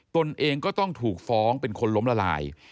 ตนเองก็ต้องถูกฟ้องเป็นคนล้มละลาย